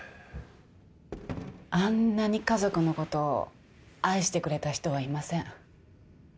あんなに家族のことを愛してくれた人はいません。